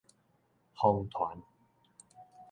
風傳